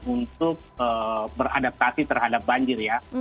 untuk beradaptasi terhadap banjir ya